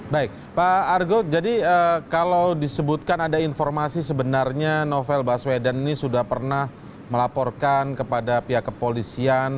baik pak argo jadi kalau disebutkan ada informasi sebenarnya novel baswedan ini sudah pernah melaporkan kepada pihak kepolisian